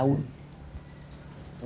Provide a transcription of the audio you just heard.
dia tinggal gitu aja